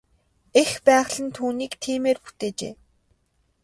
Эх байгаль нь түүнийг тиймээр бүтээжээ.